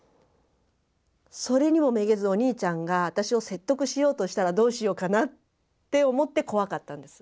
それにもめげずお兄ちゃんが私を説得しようとしたらどうしようかなって思って怖かったんです。